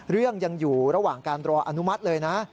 เรื่องยังอยู่ระหว่างการรออนุมัติเลยนะ